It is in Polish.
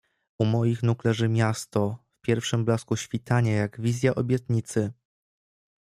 "U moich nóg leży miasto w pierwszym blasku świtania jak wizja obietnicy."